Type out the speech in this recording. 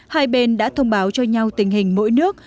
hai bên đã thông báo cho nhau tình hình mỗi nước